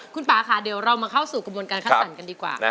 คุณป่าค่ะเดี๋ยวเรามาเข้าสู่กระบวนการคัดสรรกันดีกว่า